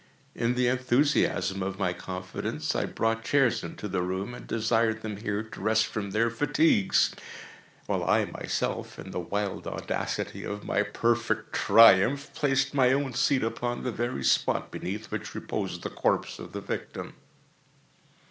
In the enthusiasm of my confidence, I brought chairs into the room, and desired them here to rest from their fatigues, while I myself, in the wild audacity of my perfect triumph, placed my own seat upon the very spot beneath which reposed the corpse of the victim.